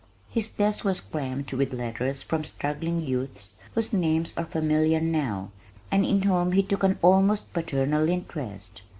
His desk was crammed with letters from struggling youths whose names are familiar now, and in whom he took an almost paternal interest.